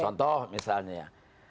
contoh misalnya ya